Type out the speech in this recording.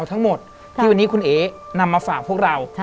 วันนี้คุณเอ๊นำมาฝากพวกเรา